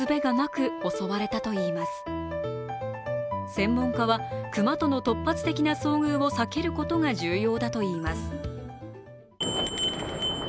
専門家は熊との突発的な遭遇を避けることが重要だといいます。